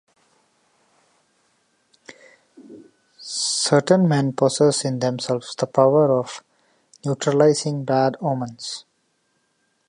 Certain men possess in themselves the power of neutralizing bad omens.